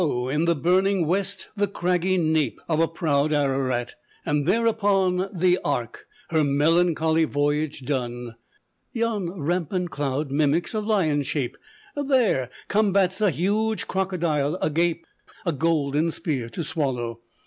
in the burning west the craggy nape Of a proud Ararat! and thereupon, The Ark, her melancholy voyage done. Yon rampant cloud mimics a lion's shape, There combats a huge crocodile agape, A golden spear to swallow!